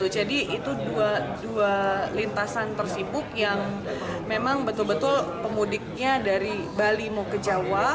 jadi itu dua lintasan tersibuk yang memang betul betul pemudiknya dari bali mau ke jawa